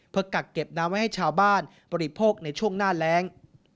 เพื่อกักเก็บน้ำไว้ให้ชาวบ้านบริโภคในช่วงหน้าแรง